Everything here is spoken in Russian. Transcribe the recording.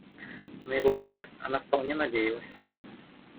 На его ловкость она вполне надеялась.